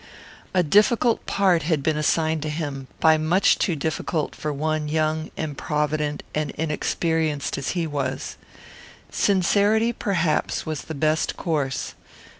A difficult part had been assigned to him; by much too difficult for one young, improvident, and inexperienced as he was. Sincerity, perhaps, was the best course.